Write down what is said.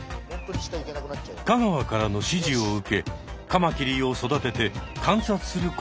香川からの指示を受けカマキリを育てて観察する小屋が完成。